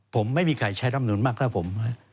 ผมไม่มีใครใช้รัฐธรรมนุมมากแล้วผม